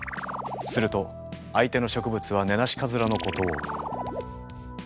すると相手の植物はネナシカズラのことを。